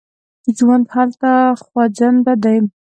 ژوند هلته خوځنده دی.